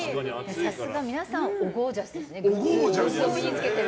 さすが、皆さんおゴージャスですね。